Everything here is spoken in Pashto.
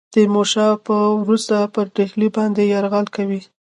تیمور شاه به وروسته پر ډهلي باندي یرغل کوي.